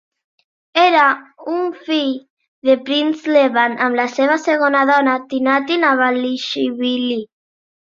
Era un fill de Prince Levan amb la seva segona dona, Tinatin Avalishvili.